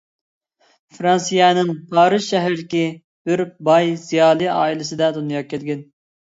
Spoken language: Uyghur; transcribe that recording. فىرانسىيەنىڭ پارىژ شەھىرىدىكى بىر باي، زىيالىي ئائىلىسىدە دۇنياغا كەلگەن.